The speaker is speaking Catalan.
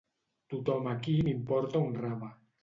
Tothom aquí m'importa un rave.